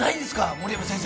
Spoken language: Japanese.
森山先生。